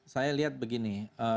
saya lihat begini